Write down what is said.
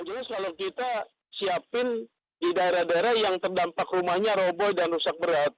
jadi selalu kita siapkan di daerah daerah yang terdampak rumahnya roboh dan rusak berat